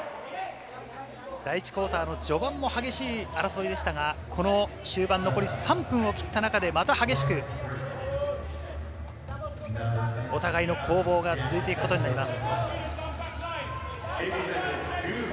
第１クオーターの序盤も激しい争いでしたが、この終盤、残り３分を切った中でまた激しくお互いの攻防が続いていくことになります。